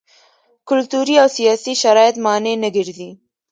کلتوري او سیاسي شرایط مانع نه ګرځي.